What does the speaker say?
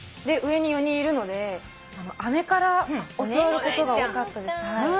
で上に４人いるので姉から教わることが多かったです。